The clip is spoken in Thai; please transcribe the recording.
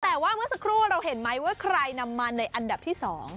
แต่ว่าเมื่อสักครู่เราเห็นไหมว่าใครนำมาในอันดับที่๒